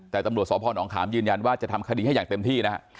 แต่ตำรวจสพนขามยืนยันว่าจะทำคดีให้อย่างเต็มที่นะฮะ